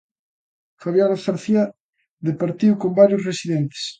Fabiola García departiu con varios residentes.